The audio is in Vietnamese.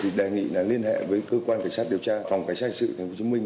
chúng tôi đề nghị liên hệ với cơ quan cảnh sát điều tra phòng cảnh sát hành sự tp hcm